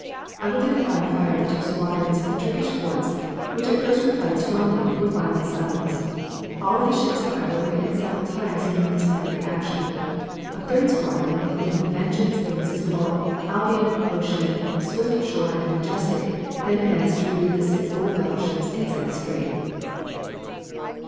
Under the combined fire of the two squadrons the Turkish forts, which at first replied strongly, were finally silenced. All of the ships, however, were hit several times during this part of the action. A third squadron, including the Vengeance, Irresistible, Albion, Ocean, Swiftshore and Majestic, then advanced to relieve the six old battleships inside the strait.